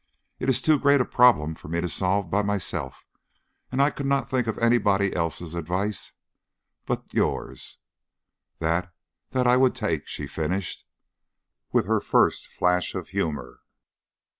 It is too great a problem for me to solve by myself, and I could not think of anybody's advice but yours that that I would take," she finished, with her first flash of humour.